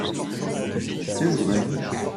Est-ce vrai?